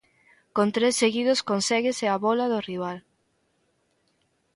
Con tres seguidos, conséguese a bóla do rival.